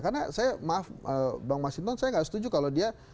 karena saya maaf bang mas hinton saya gak setuju kalau dia